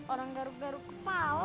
orang garuk garuk kepala